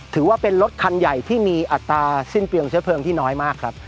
ถือว่าเป็นรถคันใหญ่ที่มีอัตราสิ้นเปลืองเชื้อเพลิงที่น้อยมากครับ